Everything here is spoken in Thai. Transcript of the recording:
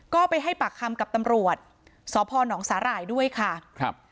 ก็ไปให้ปากคำกับตำรวจสพนสาหร่ายด้วยค่ะครับ